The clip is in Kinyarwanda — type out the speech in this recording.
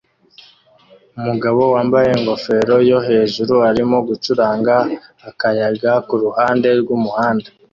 Umugabo wambaye ingofero yo hejuru arimo gucuranga akayaga kuruhande rwumuhanda